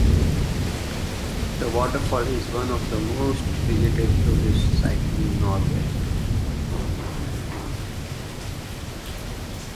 The waterfall is one of the most visited tourist sites in Norway.